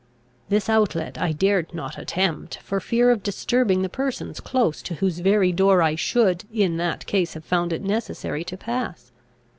This outlet I dared not attempt, for fear of disturbing the persons close to whose very door I should in that case have found it necessary to pass.